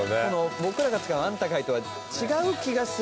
僕らが使う「あんたかい」とは違う気がする。